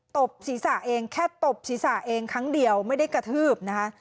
ตบศีรษะเองแค่ตบศีรษะเองครั้งเดียวไม่ได้กระทืบนะคะ